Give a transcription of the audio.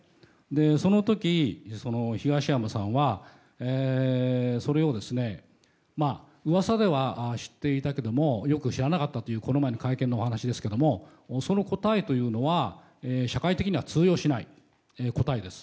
その時、東山さんはそれを噂では知っていたけれどもよく知らなかったというこの前の会見のお話ですけどもその答えというのは社会的には通用しない答えです。